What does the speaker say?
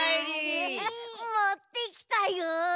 もってきたよ！